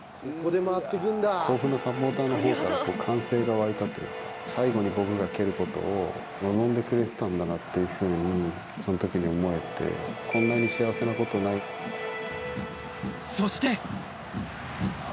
甲府のサポーターのほうから、歓声が沸いたというか、最後に僕が蹴ることを、望んでくれてたんだなっていうふうに、そのときに思えて、こんなそして。